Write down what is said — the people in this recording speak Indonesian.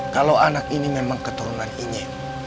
kalau anak ini memang keturunan ingin